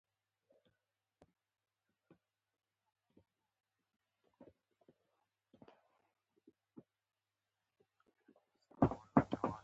افغانستان د ولایتونو د ساتنې لپاره قوانین لري.